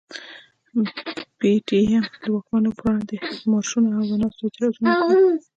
پي ټي ايم د واکمنو پر وړاندي مارشونه او د ناستو اعتراضونه وکړل.